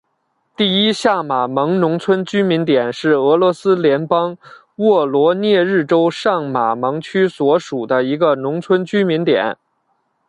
第一下马蒙农村居民点是俄罗斯联邦沃罗涅日州上马蒙区所属的一个农村居民点。